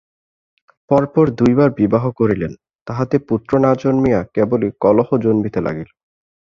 পরে পরে দুইবার বিবাহ করিলেন তাহাতে পুত্র না জন্মিয়া কেবলই কলহ জন্মিতে লাগিল।